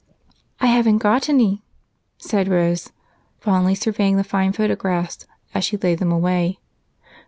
"I haven't got any," said Rose, fondly surveying the fine photographs as she laid them away.